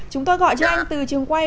chúng tôi gọi cho anh từ trường quay